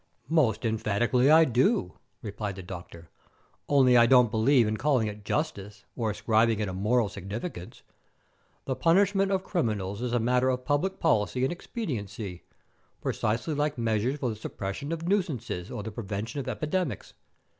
"Most emphatically I do," replied the doctor; "only I don't believe in calling it justice or ascribing it a moral significance. The punishment of criminals is a matter of public policy and expediency, precisely like measures for the suppression of nuisances or the prevention of epidemics.